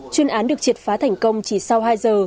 chuyên án được triệt phá thành công chỉ sau hai giờ